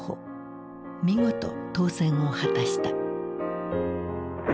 見事当選を果たした。